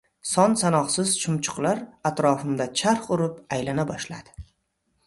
Son-sanoqsiz chumchuqlar atrofimda charx urib aylana boshladi.